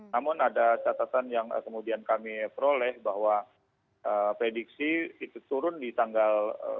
namun ada catatan yang kemudian kami peroleh bahwa prediksi itu turun di tanggal